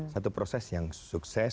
satu proses yang sukses